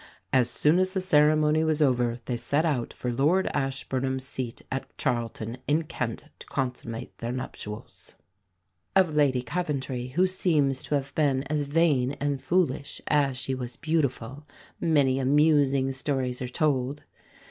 As soon as the ceremony was over they set out for Lord Ashburnham's seat at Charlton, in Kent, to consummate their nuptials." Of Lady Coventry, who seems to have been as vain and foolish as she was beautiful, many amusing stories are told.